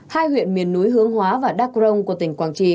hai huyện miền núi hướng hóa và đắk rông của tỉnh quảng trị